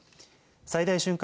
最大瞬間